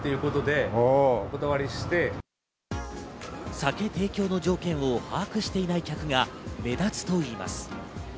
酒提供の条件を把握していない客が目立つといいます。